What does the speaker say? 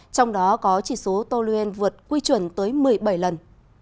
trong đó có chỉ số toluen vượt quy chuẩn tới một mươi bảy lần